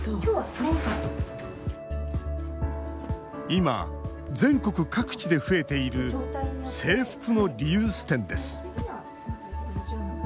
今、全国各地で増えている制服のリユース店です。